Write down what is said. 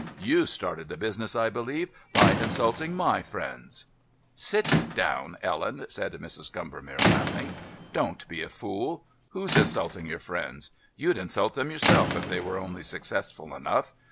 You started the business, I believe, by insulting my friends." "Sit down, Ellen," said Mrs. Combermere, laughing. "Don't be a fool. Who's insulting your friends? You'd insult them yourself if they were only successful enough.